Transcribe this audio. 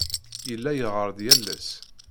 Yella yeɣɣar-d yal ass.